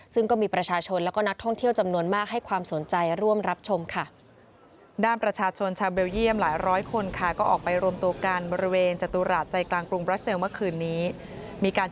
ซึ่งก็มีประชาชนแล้วก็นักท่องเที่ยวจำนวนมากให้ความสนใจร่วมรับชมค่ะ